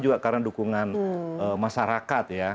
juga karena dukungan masyarakat